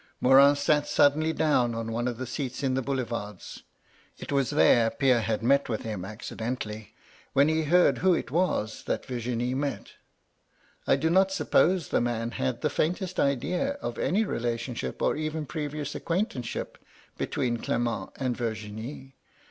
Morin sat suddenly down on one of the seats in the Boulevards — it was there Pierre had met with MY LADY LUDLOW. 155 him accidentally — when he heard who it was that Virginie met. I do not suppose the man had the faintest idea of any relationship or even previous ac quaintanceship between Clement and Virginie.